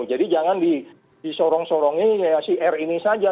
jadi jangan disorong sorongin ya si r ini saja